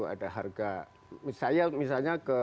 ada harga misalnya misalnya